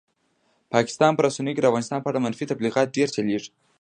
پاکستان په رسنیو کې د افغانستان په اړه منفي تبلیغات ډېر چلېږي.